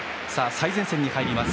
最前線に入ります